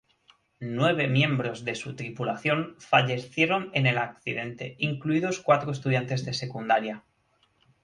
Nueve miembros de su tripulación fallecieron en el accidente, incluidos cuatro estudiantes de secundaria.